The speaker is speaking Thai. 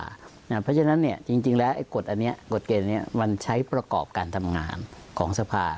เพราะฉะนั้นจริงแล้วกฎอันนี้กฎเกณฑ์นี้มันใช้ประกอบการทำงานของสภา